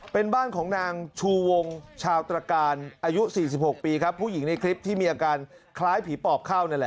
เป็นบ้านของนางชูวงชาวตรการอายุ๔๖ปีครับ